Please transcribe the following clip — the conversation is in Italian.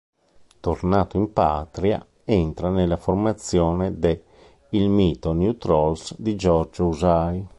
Tornato in patria, entra nella formazione de Il Mito New Trolls di Giorgio Usai.